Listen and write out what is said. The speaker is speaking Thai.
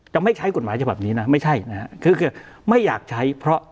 ไม่ใช้กฎหมายฉบับนี้นะไม่ใช่นะฮะคือคือไม่อยากใช้เพราะ